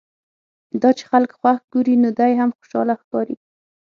دا چې خلک خوښ ګوري نو دی هم خوشاله ښکاري.